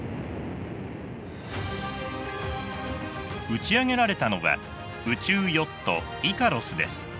打ち上げられたのは宇宙ヨットイカロスです。